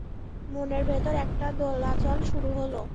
মনের ভেতর একটা দোলাচল শুরু হলো।